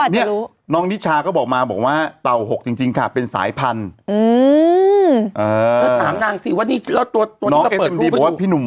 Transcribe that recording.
เนี่ยที่เราเห็นในรูปอยู่